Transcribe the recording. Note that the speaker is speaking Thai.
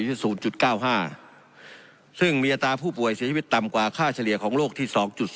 ที่๐๙๕ซึ่งมีอัตราผู้ป่วยเสียชีวิตต่ำกว่าค่าเฉลี่ยของโลกที่๒๔